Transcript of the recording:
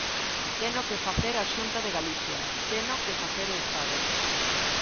Teno que facer a Xunta de Galicia, teno que facer o Estado.